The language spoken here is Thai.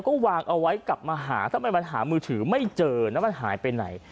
ก็วางเอาไว้กลับมาหาทำไมมันหามือถือไม่เจอแล้วมันหายไปไหน